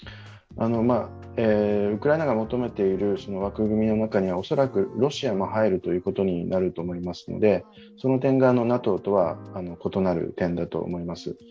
ウクライナが求めている枠組みの中には恐らくロシアも入るということになると思いますのでその点がＮＡＴＯとは異なる点だと思います。